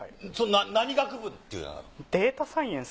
何学部っていうの。